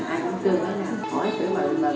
để hỏi tụi người tự nhiên khoan